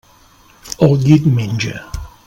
El llit menja.